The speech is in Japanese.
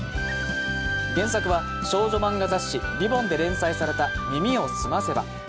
原作は少女まんが雑誌「りぼん」で連載された「耳をすませば」。